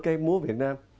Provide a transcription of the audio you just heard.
cái múa việt nam